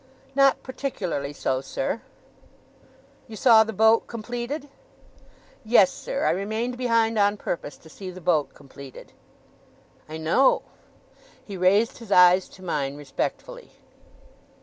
'Not particularly so, sir.' 'You saw the boat completed?' 'Yes, sir. I remained behind on purpose to see the boat completed.' 'I know!' He raised his eyes to mine respectfully.